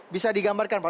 bisa digambarkan pak